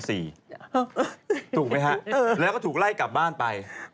ถูกไหมฮะแล้วก็ถูกไล่กลับบ้านไป